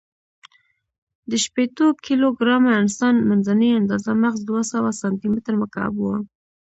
د شپېتو کیلو ګرامه انسان، منځنۍ آندازه مغز دوهسوه سانتي متر مکعب و.